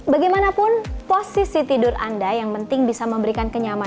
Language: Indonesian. bagaimanapun posisi tidur anda yang penting bisa memberikan keadaan yang baik